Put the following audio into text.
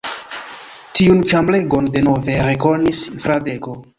Tiun ĉambregon denove rekonis Fradeko.